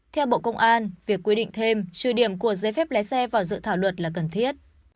theo bộ công an việc quy định thêm trừ điểm của giấy phép lái xe vào dự thảo luật là cần thiết